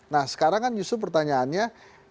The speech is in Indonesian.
nah sekarang kan justru pertanyaannya